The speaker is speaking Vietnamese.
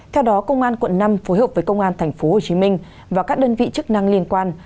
theo đó công an quận năm phối hợp với công an tp hcm và các đơn vị chức năng liên quan